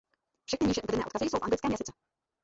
Všechny níže uvedené odkazy jsou v anglickém jazyce.